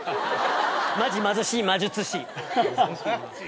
マジ貧しい魔術師。